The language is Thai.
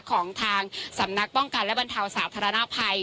ของทางสำนักป้องกันและบรรเทาสาธารณภัย